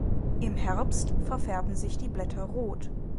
Im Herbst verfärben sich die Blätter rot.